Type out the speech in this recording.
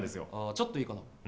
ちょっといいかな。